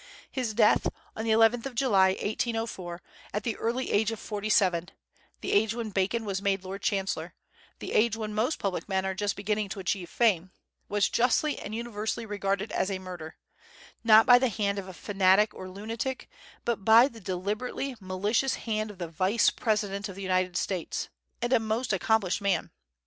His death, on the 11th of July, 1804, at the early age of forty seven, the age when Bacon was made Lord Chancellor, the age when most public men are just beginning to achieve fame, was justly and universally regarded as a murder; not by the hand of a fanatic or lunatic, but by the deliberately malicious hand of the Vice President of the United States, and a most accomplished man.